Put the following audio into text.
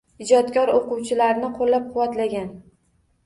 Ijodkor o‘quvchilarni qo‘llab-quvvatlagan.